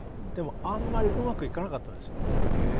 でも、あんまりうまくいかなかったんです。